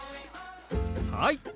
はい！